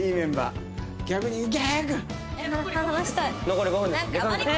残り５分ですよ。